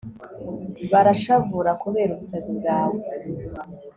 barashavura kubera ubusazi bwawe